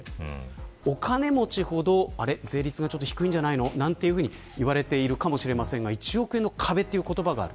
お金持ちほど税率が低いんじゃないの、というふうに言われているかもしれませんが１億円の壁という言葉がある。